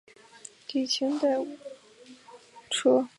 清朝第五代车臣汗。